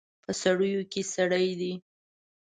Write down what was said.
په سړیو کې سړي دي